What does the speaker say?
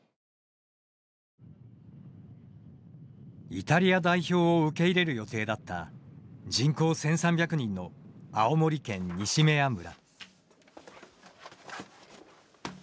イタリア代表を受け入れる予定だった人口１３００人の青森県西目屋村。